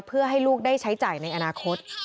เพื่อให้ลูกได้ใช้จ่ายในอนาคต